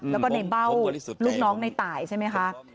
แล้วก็ในเบ้าลูกน้องในตายใช่ไหมคะ